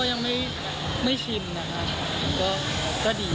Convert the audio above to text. ต้องมาตอบตอนเนี้ย